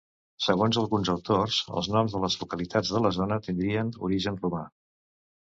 Segons alguns autors, els noms de les localitats de la zona tindrien origen romà.